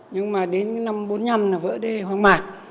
nhưng mà đến năm bốn mươi năm là vỡ đê hoang mạc